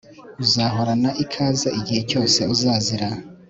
Uzahorana ikaze igihe cyose uzazira